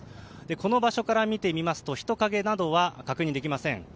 この場所から見てみますと人影などは確認できません。